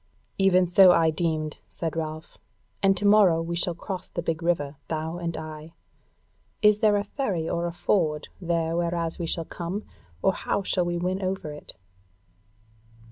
"Even so I deemed," said Ralph: "and to morrow we shall cross the big river, thou and I. Is there a ferry or a ford there whereas we shall come, or how shall we win over it?"